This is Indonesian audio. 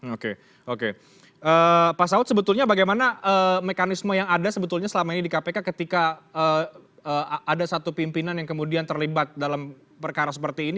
oke oke pak saud sebetulnya bagaimana mekanisme yang ada sebetulnya selama ini di kpk ketika ada satu pimpinan yang kemudian terlibat dalam perkara seperti ini